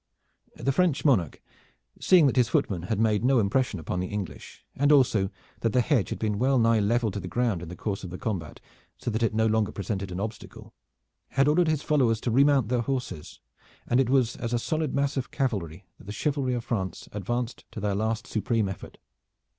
The French monarch, seeing that his footmen had made no impression upon the English, and also that the hedge had been well nigh leveled to the ground in the course of the combat, so that it no longer presented an obstacle, had ordered his followers to remount their horses, and it was as a solid mass of cavalry that the chivalry of France advanced to their last supreme effort.